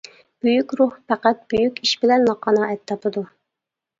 بۈيۈك روھ پەقەت بۈيۈك ئىش بىلەنلا قانائەت تاپىدۇ.